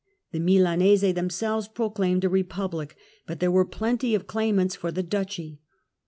The Milanese themselves proclaimed a Ke public, but there were plenty of claimants for the Duchy.